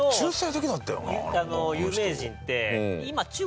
有名人って。